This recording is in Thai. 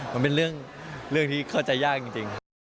มันเป็นเรื่องที่เข้าใจยากจริง